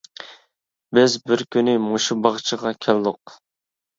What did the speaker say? بىز بىر كۈنى مۇشۇ باغچىغا كەلدۇق.